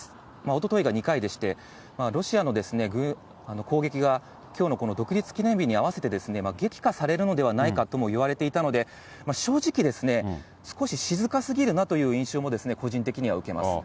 おとといが２回でして、ロシアの攻撃がきょうのこの独立記念日に合わせて激化されるのではないかともいわれていたので、正直、少し静かすぎるなという印象も個人的には受けます。